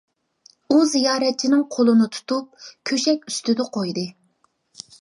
ئۇ زىيارەتچىنىڭ قولىنى تۇتۇپ «كۆشەك» ئۈستىدە قويدى.